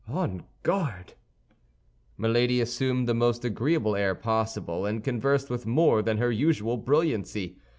On guard!" Milady assumed the most agreeable air possible, and conversed with more than her usual brilliancy.